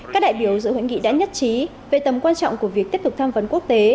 các đại biểu dự hội nghị đã nhất trí về tầm quan trọng của việc tiếp tục tham vấn quốc tế